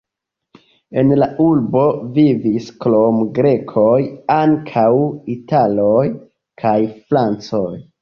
En la urbo vivis krom grekoj ankaŭ italoj kaj francoj.